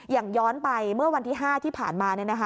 ย้อนไปเมื่อวันที่๕ที่ผ่านมา